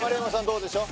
どうでしょう？